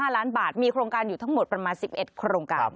๕ล้านบาทมีโครงการอยู่ทั้งหมดประมาณ๑๑โครงการ